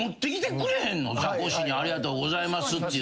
ザコシにありがとうございますって言ってさ。